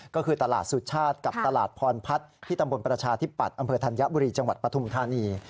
ก็คือตลาดสุชาติกับตลาดพรพัฒน์ที่ตำบลประชาธิปัตย์อำเภอธัญบุรีจังหวัดปฐุมธานี